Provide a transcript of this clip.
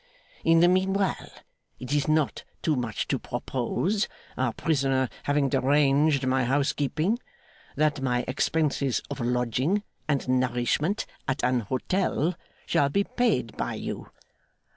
'In the meanwhile, it is not too much to propose (our prisoner having deranged my housekeeping), that my expenses of lodging and nourishment at an hotel shall be paid by you.